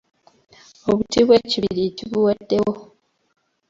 Obuti bw’ekibiriiti buweddewo.